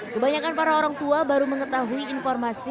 kebanyakan para orang tua baru mengetahui informasi secara terbaru